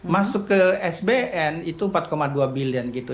masuk ke sbn itu empat dua billion gitu